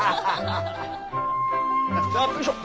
よいしょ。